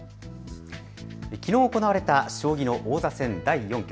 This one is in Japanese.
きのう行われた将棋の王座戦第４局。